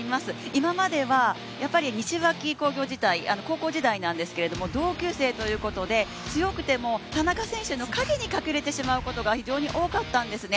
今までは、やっぱり西脇工業時代、高校時代なんですが、同級生ということで、強くても田中選手の影に隠れてしまうことが非常に多かったんですよね。